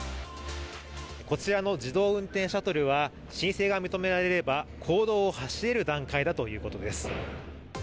こちらの自動運転シャトルは申請が認められれば公道を走れる段階だということです。